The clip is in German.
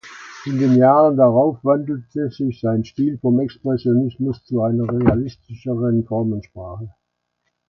In den Jahren darauf wandelte sich sein Stil vom Expressionismus zu einer realistischeren Formensprache.